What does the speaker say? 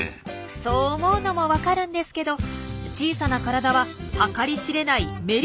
そう思うのもわかるんですけど小さな体は計り知れないメリットがあるんですよ。